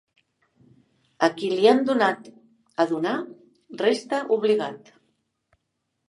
A qui li han donat a donar resta obligat.